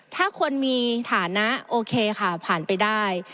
ถ้าคนมีฐานะโอเคค่ะผ่านไปได้